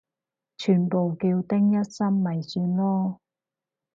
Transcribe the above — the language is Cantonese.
全部叫丁一心咪算囉